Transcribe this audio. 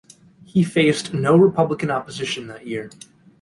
He faced no Republican opposition that year.